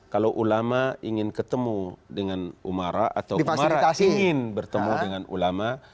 kalau ulama ingin ketemu dengan umara atau umara ingin bertemu dengan ulama